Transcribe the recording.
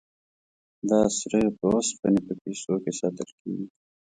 دا سره په اوسپنې په کیسو کې ساتل کیږي.